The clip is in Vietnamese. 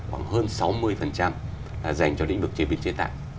khoảng hơn sáu mươi dành cho lĩnh vực chế biến chế tạo